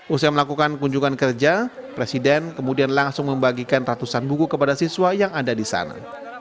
usia melakukan kunjungan kerja presiden kemudian langsung membagikan ratusan buku kepada siswa yang ada di sana